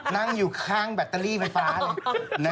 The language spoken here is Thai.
นั่งอยู่ข้างแบตเตอรี่ไฟฟ้าเลย